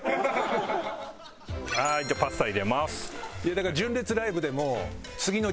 じゃあパスタ入れます。